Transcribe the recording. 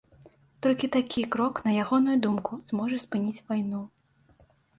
Толькі такі крок, на ягоную думку, зможа спыніць вайну.